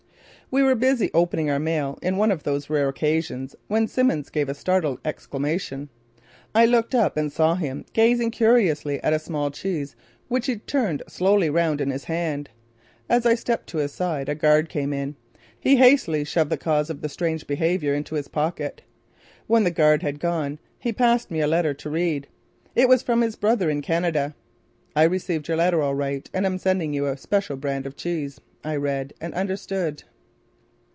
We were busy opening our mail on one of those rare occasions, when Simmons gave a startled exclamation. I looked up and saw him gazing curiously at a small cheese which he turned slowly around in his hand. As I stepped to his side, a guard came in. He hastily shoved the cause of the strange behaviour into his pocket. When the guard had gone; he passed me a letter to read. It was from his brother in Canada. "I received your letter all right and am sending you a special brand of cheese," I read and understood.